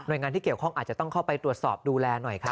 โดยงานที่เกี่ยวข้องอาจจะต้องเข้าไปตรวจสอบดูแลหน่อยครับ